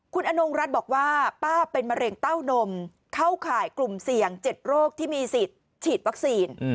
คุณอนงรัฐบอกว่าป้าเป็นมะเร็งเต้านมเข้าข่ายกลุ่มเสี่ยง๗โรคที่มีสิทธิ์ฉีดวัคซีน